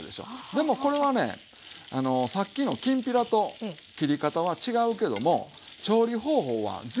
でもこれはねさっきのきんぴらと切り方は違うけども調理方法は全部一緒やと思って下さい。